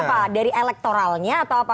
apa dari elektoralnya atau apa